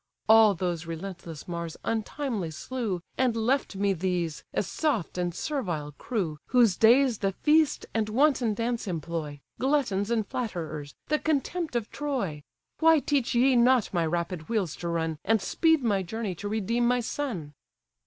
All those relentless Mars untimely slew, And left me these, a soft and servile crew, Whose days the feast and wanton dance employ, Gluttons and flatterers, the contempt of Troy! Why teach ye not my rapid wheels to run, And speed my journey to redeem my son?"